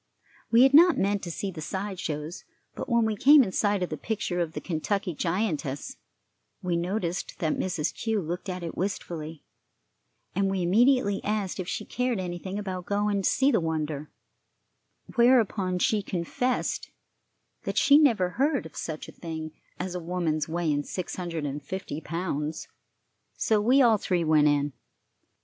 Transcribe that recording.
We had not meant to see the side shows; but when we came in sight of the picture of the Kentucky giantess, we noticed that Mrs. Kew looked at it wistfully, and we immediately asked if she cared anything about going to see the wonder, whereupon she confessed that she never heard of such a thing as a woman's weighing six hundred and fifty pounds; so we all three went in.